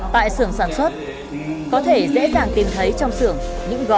tại xưởng sản xuất có thể dễ dàng tìm thấy trong xưởng những gói